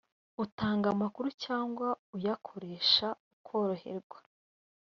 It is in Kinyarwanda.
utanga amakuru cyangwa uyakoresha ukorerwa